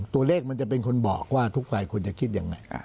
ตัวเลขมันจะเป็นคนบอกว่าทุกฝ่ายควรจะคิดยังไง